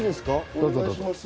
どうぞどうぞ。